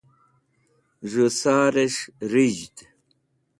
z̃u sares̃h rij̃hd